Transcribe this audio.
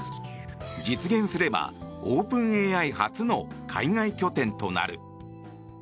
実現すれば、オープンＡＩ初の海外拠点となる。